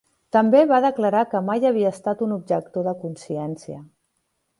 També va declarar que mai havia estat un objector de consciència.